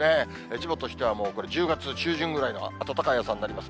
千葉としてはこれ１０月中旬ぐらいの暖かい朝になります。